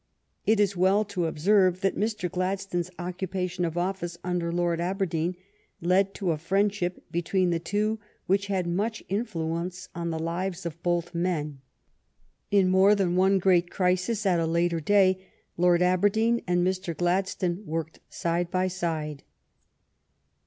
It is well to observe that Mr. Gladstone's occupation of office under Lord Aber deen led to a friendship between the two which had much influence on the lives of both men. In more than one great crisis at a later day Lord Aberdeen and Mr. Gladstone worked side by side.